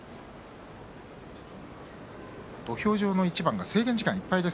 土俵上の一番が制限時間いっぱいです。